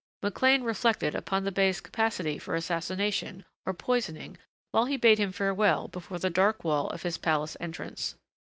McLean reflected upon the bey's capacity for assassination or poisoning while he bade him farewell before the dark wall of his palace entrance.